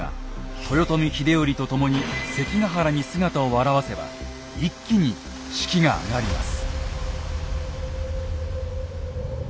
豊臣秀頼と共に関ヶ原に姿を現せば一気に士気が上がります。